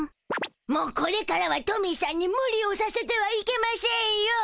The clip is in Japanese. もうこれからはトミーしゃんにムリをさせてはいけませんよ。